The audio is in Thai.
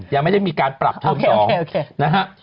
ยังไม่ได้มีการปรับเทอม๒นะฮะ